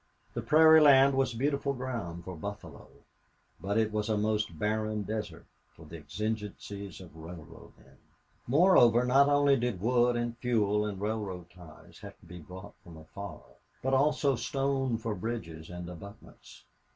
The prairie land was beautiful ground for buffalo, but it was a most barren desert for the exigencies of railroad men. Moreover, not only did wood and fuel and railroad ties have to be brought from afar, but also stone for bridges and abutments.